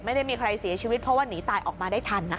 ไม่ได้มีใครเสียชีวิตเพราะว่าหนีตายออกมาได้ทันนะคะ